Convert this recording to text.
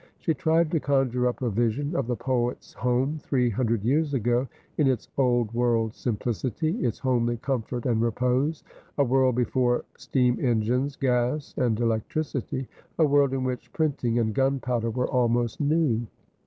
She tried to con jure up a vision of the poet's home three hundred years ago — in its old world simplicity, its homely comfort and repose ; a world before steam engines, gas, and electricity ; a world in which printing and gunpowder were almost new.